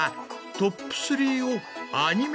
トップ３をアニメ